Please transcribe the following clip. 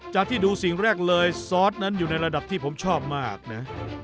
ที่ดูสิ่งแรกเลยซอสนั้นอยู่ในระดับที่ผมชอบมากนะ